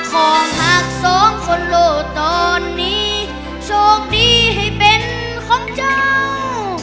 ของหักสองคนโล่ตอนนี้โชคดีให้เป็นของเจ้า